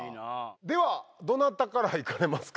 ではどなたからいかれますか？